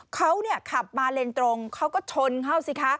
เขาขับมาเลนตรงเขาก็ชนเขาสิคะ